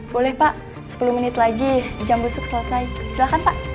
boleh pak sepuluh menit lagi jam busuk selesai silahkan pak